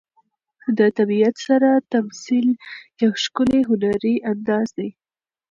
د طبیعت سره تمثیل یو ښکلی هنري انداز دی.